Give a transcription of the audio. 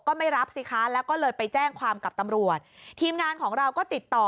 ไม่รับสิคะแล้วก็เลยไปแจ้งความกับตำรวจทีมงานของเราก็ติดต่อ